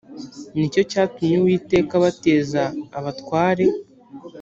ni cyo cyatumye uwiteka abateza abatware